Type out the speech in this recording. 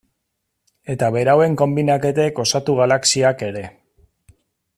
Eta berauen konbinaketek osatu galaxiak ere.